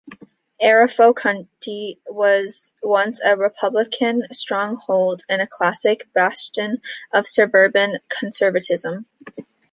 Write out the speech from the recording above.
Arapahoe County was once a Republican stronghold, and a classic bastion of suburban conservatism.